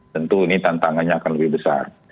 tentu ini tantangannya akan lebih besar